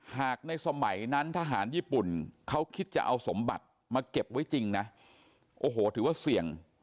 ในสมัยนั้นทหารญี่ปุ่นเขาคิดจะเอาสมบัติมาเก็บไว้จริงนะโอ้โหถือว่าเสี่ยง